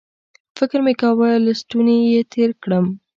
فکر مې کاوه له ستوني یې تېر کړم